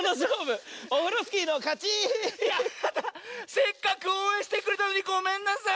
せっかくおうえんしてくれたのにごめんなさい！